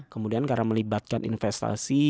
kemudian karena melibatkan investasi